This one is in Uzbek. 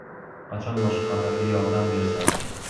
Qachon boshqalarga yordam bersak.